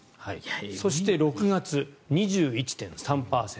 そして、６月２１．３％。